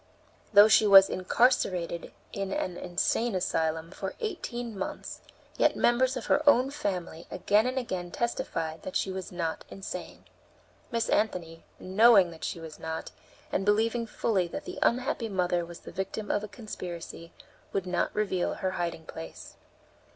Though she was incarcerated in an insane asylum for eighteen months, yet members of her own family again and again testified that she was not insane. Miss Anthony, knowing that she was not, and believing fully that the unhappy mother was the victim of a conspiracy, would not reveal her hiding place.